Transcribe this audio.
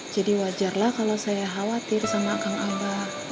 jadi wajarlah kalau saya khawatir sama akang abah